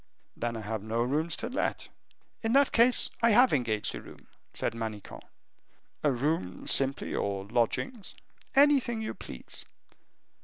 "Then I have no rooms to let." "In that case, I have engaged a room," said Manicamp. "A room simply, or lodgings?" "Anything you please."